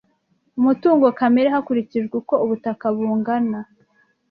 umutungo kamere hakurikijwe uko ubutaka bungana